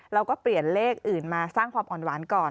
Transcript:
เราก็เปลี่ยนเลขอื่นมาสร้างความอ่อนหวานก่อน